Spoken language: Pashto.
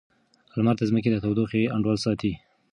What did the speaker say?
لمر د ځمکې د تودوخې انډول ساتي.